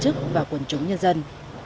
trước và quần chủ nhân dân